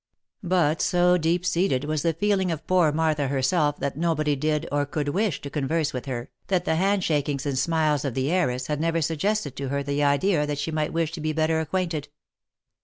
But so deep seated was the feeling of poor Martha herself that nobody did, or could wish, to converse with her, that the hand shakings and smiles of the heiress had never suggested to her the idea that she might wish to be better acquainted.